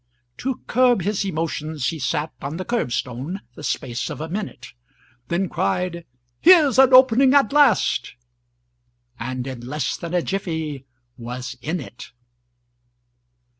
To curb his emotions, he sat On the curbstone the space of a minute, Then cried, "Here's an opening at last!" And in less than a jiffy was in it!